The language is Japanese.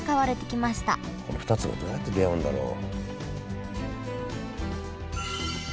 この２つがどうやって出会うんだろう？